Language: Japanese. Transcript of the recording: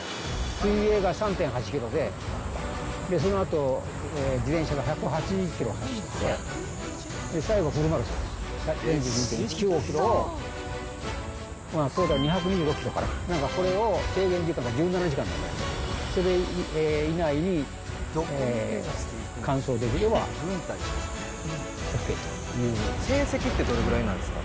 水泳が３．８キロで、そのあと自転車が１８０キロ走って、最後フルマラソン４２．１９５キロを、トータル２２６キロかな、なんかこれを制限時間１７時間で、成績ってどれぐらいなんですか。